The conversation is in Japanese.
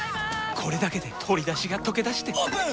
これだけで鶏だしがとけだしてオープン！